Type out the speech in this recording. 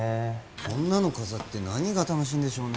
こんなの飾って何が楽しいんでしょうね？